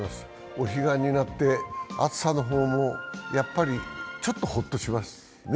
お彼岸になって、暑さの方もやっぱりちょっとホッとしますね。